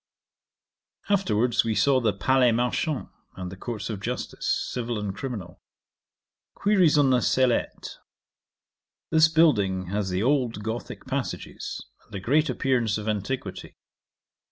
'Afterwards we saw the Palais Marchand, and the Courts of Justice, civil and criminal. Queries on the Sellette. This building has the old Gothick passages, and a great appearance of antiquity.